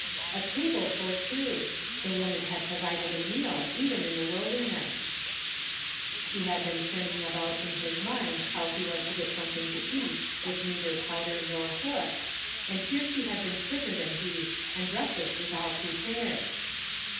A table for two! The woman had provided a meal even in the wilderness I He had been turning about in his mind how he was to get something to eat with neither powder nor hook, and here she had been quicker tiian he and breakfast was all prepared!